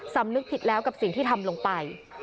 สำนึกผิดแล้วกับสิ่งที่ทำลงไป